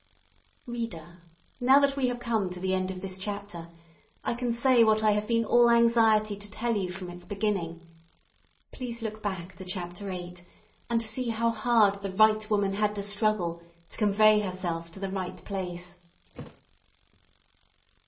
Reader, now that we have come to the end of this chapter, I can say what I have been all anxiety to tell you from its beginning. Please look back to Chapter VIII., and see how hard the right woman had to struggle to convey herself to the right place.